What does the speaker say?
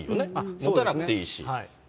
持たなくていいし。